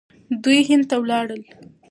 دوی هند ته ولاړل.